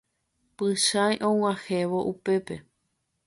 Pychãi og̃uahẽvo upépe.